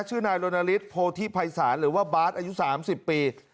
ชื่อนายโรนาลิสโพธิภัยศาสตร์หรือว่าบ๊าทอายุ๓๐ปี